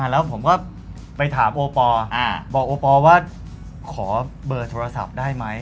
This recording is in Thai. แล้วผมก็ไปถามโอปอลบอกโอปอลว่าขอเบอร์โทรศัพท์ได้ไหม